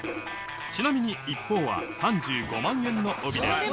ちなみに一方は３５万円の帯です